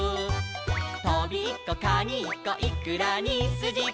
「トビッコカニッコイクラにスジコ」